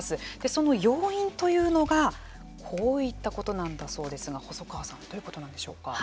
その要因というのがこういったことなんだそうですが細川さん、どういうことなんでしょうか。